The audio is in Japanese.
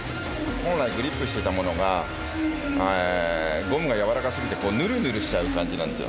本来グリップしてたものがゴムが柔らかすぎてヌルヌルしちゃう感じなんですよ。